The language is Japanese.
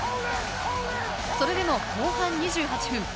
それでも、後半２８分。